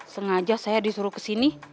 sengaja saya disuruh kesini